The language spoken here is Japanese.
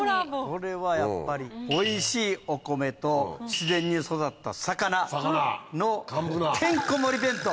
これはやっぱりおいしいお米と自然に育った魚の。